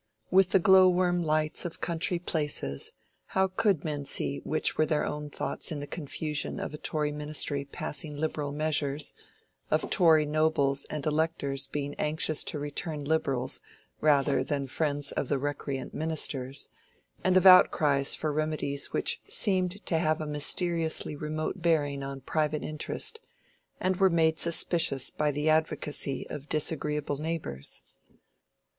With the glow worm lights of country places, how could men see which were their own thoughts in the confusion of a Tory Ministry passing Liberal measures, of Tory nobles and electors being anxious to return Liberals rather than friends of the recreant Ministers, and of outcries for remedies which seemed to have a mysteriously remote bearing on private interest, and were made suspicious by the advocacy of disagreeable neighbors?